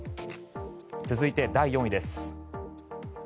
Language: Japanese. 続いて、第４位です。